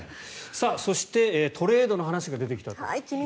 そしてトレードの話が出てきたと。